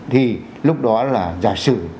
thì lúc đó là giả sử